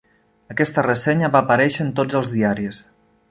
Aquesta ressenya va aparèixer en tots els diaris.